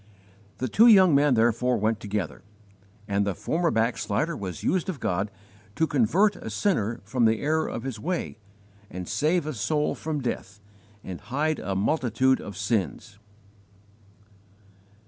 The two young men therefore went together, and the former backslider was used of God to "convert a sinner from the error of his way and save a soul from death and hide a multitude of sins."